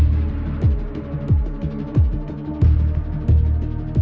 ไม่มีจ่ายจะจ่ายยังไง